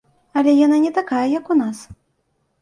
Але яна не такая, як у нас.